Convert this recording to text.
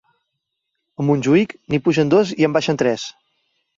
A Montjuïc, n'hi pugen dos i en baixen tres!